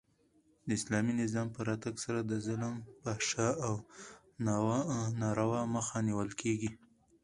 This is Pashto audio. د اسلامي نظام په راتګ سره د ظلم، فحشا او ناروا مخ نیول کیږي.